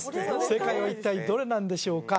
正解は一体どれなんでしょうか？